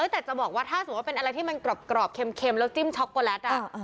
แต่จะบอกว่าถ้าสมมุติเป็นอะไรที่มันกรอบเค็มแล้วจิ้มช็อกโกแลต